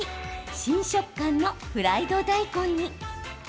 新食感のフライド大根に。